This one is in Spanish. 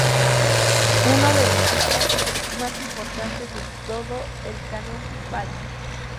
Uno de los sutras más importantes de todo el Canon Pali.